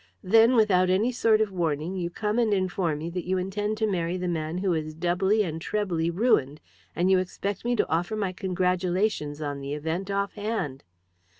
Then, without any sort of warning, you come and inform me that you intend to marry the man who is doubly and trebly ruined, and you expect me to offer my congratulations on the event offhand!